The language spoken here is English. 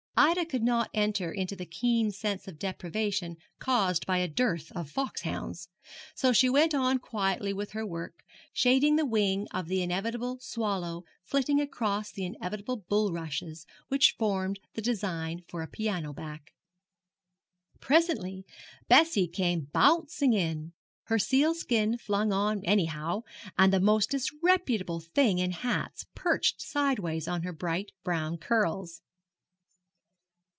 Ida could not enter into the keen sense of deprivation caused by a dearth of foxhounds, so she went on quietly with her work, shading the wing of the inevitable swallow flitting across the inevitable bulrushes which formed the design for a piano back. Presently Bessie came bouncing in, her sealskin flung on anyhow, and the most disreputable thing in hats perched sideways on her bright brown curls.